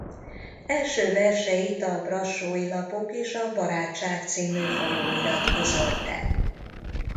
Első verseit a Brassói Lapok és a Barátság c. folyóirat közölte.